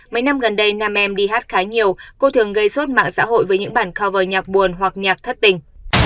mấy năm gần đây nam em đi hát khá nhiều cô thường gây suốt mạng xã hội với những bản cover nhạc buồn hoặc nhạc thất tình